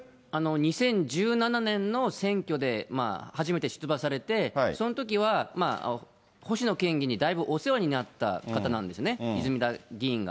２０１７年の選挙で初めて出馬されて、そのときは、星野県議にだいぶ、お世話になった方なんですよね、泉田議員が。